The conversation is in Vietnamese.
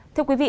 thưa quý vị